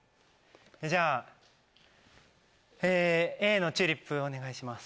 じゃあＡの『チューリップ』お願いします。